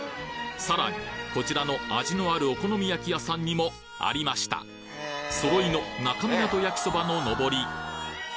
さらにこちらの味のあるお好み焼き屋さんにもありましたそろいの那珂湊焼きそばののぼり